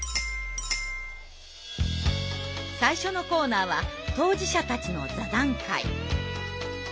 最初のコーナーは当事者たちの座談会。